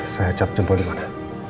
saya cap jempol dimana